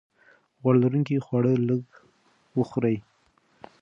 غوړ لرونکي خواړه لږ وخورئ.